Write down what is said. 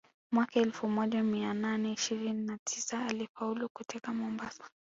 Mwaka elfu moja mia nane ishirini na tisa alifaulu kuteka Mombasa